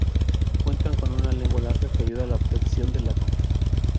Cuentan con una lengua larga que ayuda a la obtención de la goma.